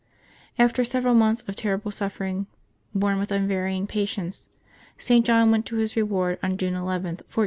After several months of terrible suffering, borne with unvarying patience, St. John went to his reward on June 11, 1479.